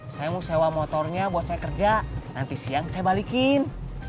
saya mau sewa motornya buat saya kerja nanti siang saya balikin